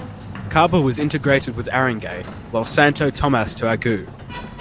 Caba was integrated with Aringay while Santo tomas to Agoo.